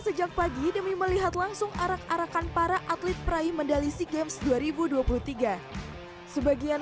sejak pagi demi melihat langsung arak arakan para atlet peraih medali sea games dua ribu dua puluh tiga sebagian